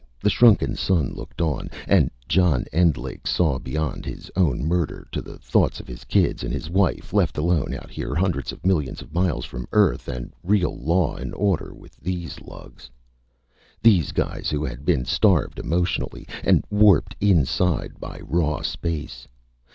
The shrunken sun looked on. And John Endlich saw beyond his own murder. To the thought of his kids and his wife left alone out here, hundreds of millions of miles from Earth, and real law and order with these lugs. These guys who had been starved emotionally, and warped inside by raw space.